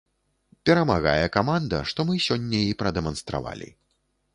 Перамагае каманда, што мы сёння і прадэманстравалі.